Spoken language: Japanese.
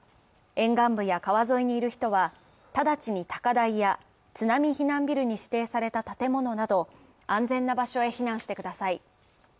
沿岸部や川沿いにいる人は直ちに高台や津波避難ビルに指定された建物など安全な場所へ避難してください。